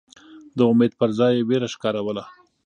د امید پر ځای یې وېره ښکاروله.